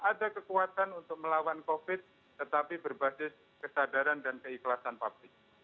ada kekuatan untuk melawan covid sembilan belas tetapi berbasis kesadaran dan keikhlasan pakti